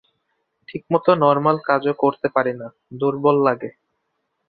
ঠিকমত নরমাল কাজও করতে পারি না, দুর্বল লাগে।